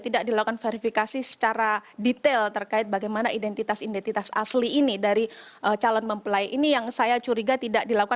tidak dilakukan verifikasi secara detail terkait bagaimana identitas identitas asli ini dari calon mempelai ini yang saya curiga tidak dilakukan